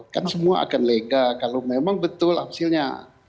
kan semua akan lega kalau memang betul hasilnya